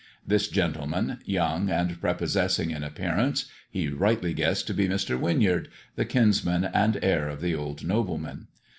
This gentleman, young and prepossessing in appearance, he rightly guessed to be Mr. Winyard, the kinsman and heir of the old nobleman.